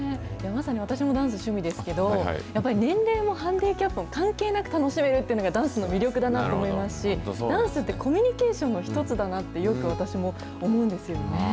まさに私もダンス趣味ですけど、やっぱり年齢もハンデキャップもなく楽しめるというのがダンスの魅力だなと思いますし、ダンスってコミュニケーションの一つだなってよく私も思うんです